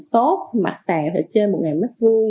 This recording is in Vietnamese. tốt mặt tàng trên một m hai